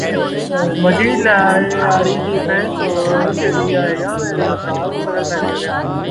مزید لیاری ڈیفنس اور old city area میں بھی افراد کو قتل کر دیا گیا